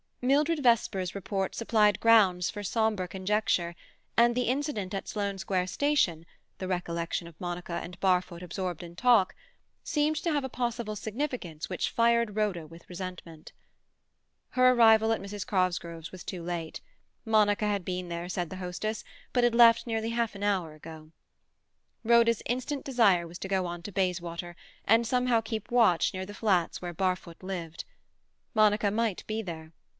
Mildred Vesper's report supplied grounds for sombre conjecture, and the incident at Sloane Square Station, the recollection of Monica and Barfoot absorbed in talk, seemed to have a possible significance which fired Rhoda with resentment. Her arrival at Mrs. Cosgrove's was too late. Monica had been there said the hostess, but had left nearly half an hour ago. Rhoda's instant desire was to go on to Bayswater, and somehow keep watch near the flats where Barfoot lived. Monica might be there.